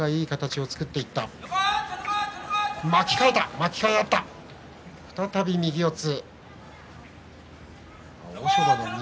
巻き替えあって再び右四つ。